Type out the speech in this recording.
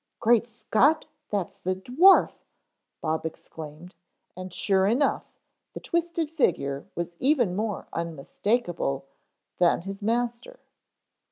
"Great Scott, that's the dwarf," Bob exclaimed, and sure enough the twisted figure was even more unmistakable than his master.